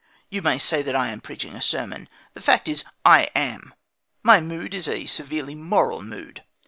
You may say that I am preaching a sermon. The fact is, I am. My mood is a severely moral mood.